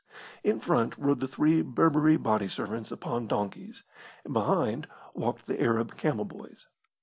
In front rode the three Berberee body servants upon donkeys, and behind walked the Arab camel boys.